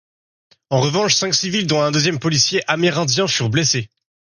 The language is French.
En revanche, cinq civils, dont un deuxième policier amérindien, furent blessés.